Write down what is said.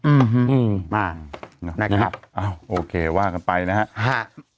อืมมานะครับอ้าวโอเคว่ากันไปนะฮะฮะ